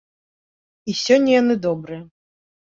І сёння яны добрыя.